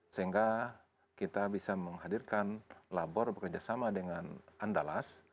sehingga kita bisa menghadirkan labor bekerjasama dengan andalas